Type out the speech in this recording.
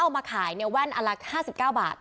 มาขายแว่นอันละ๕๙บาท